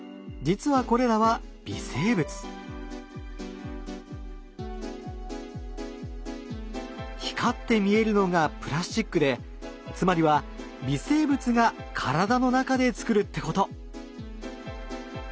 実はこれらは光って見えるのがつまりは微生物が体の中で作るってこと。